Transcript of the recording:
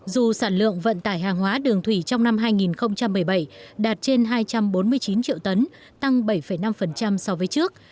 dù sản lượng vận tải hàng hóa đường thủy trong năm hai nghìn một mươi bảy đạt trên hai trăm bốn mươi chín triệu tấn tăng bảy năm so với trước